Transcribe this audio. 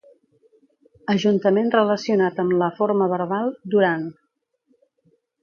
Ajuntament relacionat amb la forma verbal “duran”.